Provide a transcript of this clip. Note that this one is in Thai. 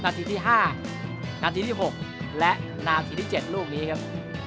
นาทีที่๕นาทีที่๖และนาทีที่๗ลูกนี้ครับ